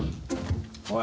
おい。